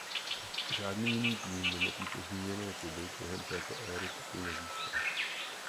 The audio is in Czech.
Žádný jiný tým mimo tyto zmíněné kluby během této éry titul nezískal.